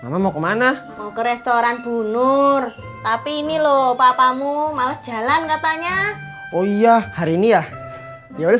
mau kemana ke restoran bunur tapi ini loh papamu males jalan katanya oh iya hari ini ya ya udah